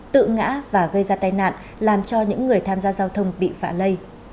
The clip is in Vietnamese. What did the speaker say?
tự ngã và gây ra tai nạn làm cho những người tham gia giao thông bị phạ lây